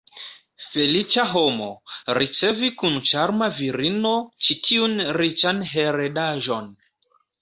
Feliĉa homo, ricevi kun ĉarma virino ĉi tiun riĉan heredaĵon!